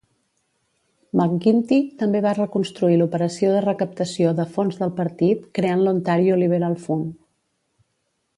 McGuinty també va reconstruir l'operació de recaptació de fons del partit, creant l'Ontario Liberal Fund.